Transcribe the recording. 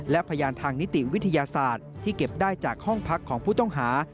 และพยานทางนิติวิทยาศาสตร์ที่เก็บได้จากห้องพักของผู้ต้องหา